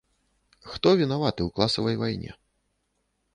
Хто вінаваты ў класавай вайне?